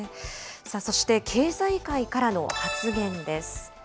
そして経済界からの発言です。